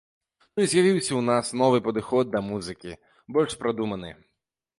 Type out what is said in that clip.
Ну і з'явіўся ў нас новы падыход да музыкі, больш прадуманы.